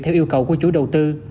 theo yêu cầu của chủ đầu tư